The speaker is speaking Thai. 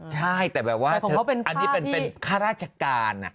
ใช่แต่แบบว่าอันนี้เป็นข้าราชการ